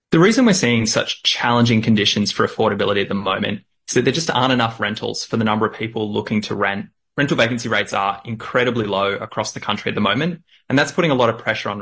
dan menurut pemerintah kelangkaan tempat sewa di seluruh negara ini